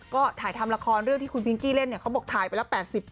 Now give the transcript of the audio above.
ก็ถ่ายทำละครเรื่องที่คุณพิงกี้เล่นเนี่ยเขาบอกถ่ายไปละ๘๐